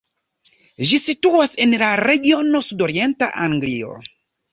Ĝi situas en la regiono sudorienta Anglio.